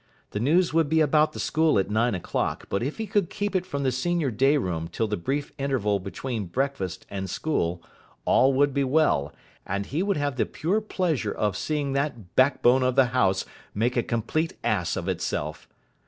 The news would be about the school at nine o'clock, but if he could keep it from the senior day room till the brief interval between breakfast and school, all would be well, and he would have the pure pleasure of seeing that backbone of the house make a complete ass of itself.